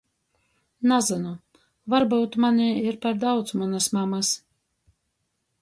Nazynu, varbyut manī ir par daudz munys mamys.